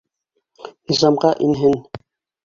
Низамға инһен.